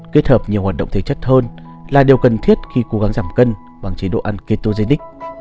kết hợp nhiều hoạt động thể chất hơn là điều cần thiết khi cố gắng giảm cân bằng chế độ ăn ketogenic